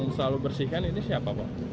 yang selalu bersihkan ini siapa pak